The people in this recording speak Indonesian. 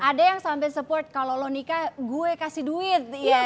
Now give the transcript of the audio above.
ada yang sampai support kalau lo nika gue kasih duit